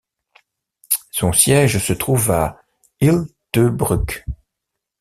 Son siège se trouve à Hyltebruk.